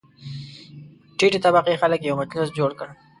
ټیټې طبقې خلک یو مجلس جوړ کړ.